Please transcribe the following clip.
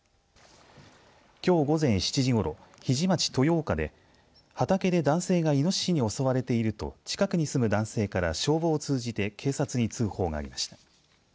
きょう午前７時ごろ日出町豊岡で、畑で男性がいのししに襲われていると近くに住む男性から消防を通じて警察に通報がありました。